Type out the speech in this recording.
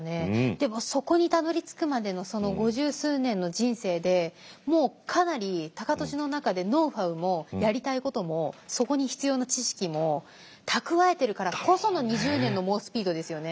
でもそこにたどりつくまでのその五十数年の人生でもうかなり高利の中でノウハウもやりたいこともそこに必要な知識も蓄えてるからこその２０年の猛スピードですよね。